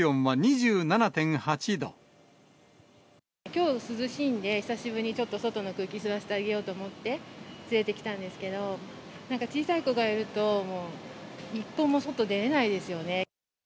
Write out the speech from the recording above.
きょう涼しいんで、久しぶりにちょっと外の空気、吸わせてあげようと思って連れてきたんですけど、なんか小さい子がいると、もう一歩も外出れないですよね。